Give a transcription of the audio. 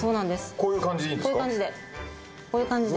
こういう感じでいいんですか？